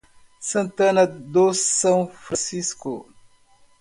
Santana do São Francisco